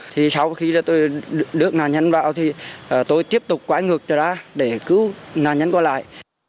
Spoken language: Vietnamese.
thì sau khi tôi đưa nạn nhân vào thì tôi tiếp tục quay ngược ra để cứu nạn nhân qua lại